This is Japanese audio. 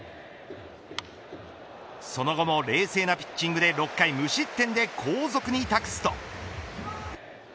その後も冷静なピッチングで６回無失点で後続に託すと。